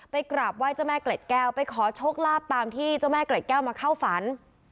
กราบไหว้เจ้าแม่เกล็ดแก้วไปขอโชคลาภตามที่เจ้าแม่เกล็ดแก้วมาเข้าฝัน